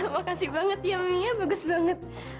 makasih banget ya mie bagus banget